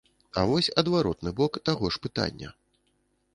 А вось адваротны бок таго ж пытання.